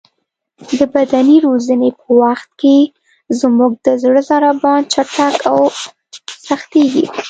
د بدني روزنې په وخت کې زموږ د زړه ضربان چټک او سختېږي.